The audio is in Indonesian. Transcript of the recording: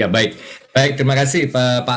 baik baik terima kasih pak